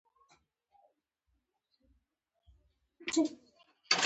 رومیان د خوب نه مخکې خواړه نه دي